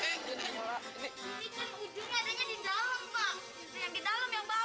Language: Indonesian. tinggal ujungnya adanya di dalam pak